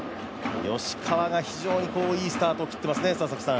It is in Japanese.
吉川が非常にいいスタートを切ってますね。